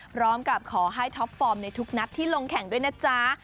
พร้อมกับขอให้ท็อปฟอร์มในทุกนัดที่ลงแข่งด้วยนะจ๊ะ